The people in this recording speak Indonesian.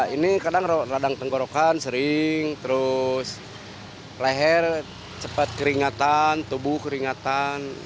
ini kadang radang tenggorokan sering terus leher cepat keringatan tubuh keringatan